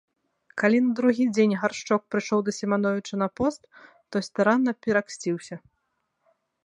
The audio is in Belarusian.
Калі на другі дзень Гаршчок прыйшоў да Сімановіча на пост, той старанна пераксціўся.